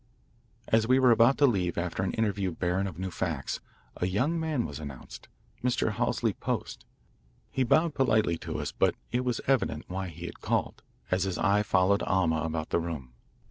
As we were about to leave after an interview barren of new facts, a young man was announced, Mr. Halsey Post. He bowed politely to us, but it was evident why he had called, as his eye followed Alma about the room.